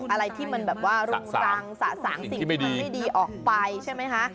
อะไรที่มันแบบว่ารุงรังสะสางสิ่งที่มันไม่ดีออกไปใช่ไหมคะ